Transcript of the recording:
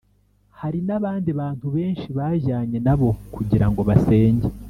Hari n abandi Bantu benshi bajyanye na bo kugira ngo basenge